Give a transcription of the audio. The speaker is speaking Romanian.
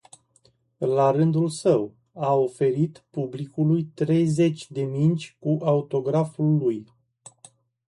La rândul său, a oferit publicului treizeci de mingi cu autograful lui.